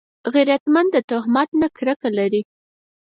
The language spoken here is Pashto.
غیرتمند د تهمت نه کرکه لري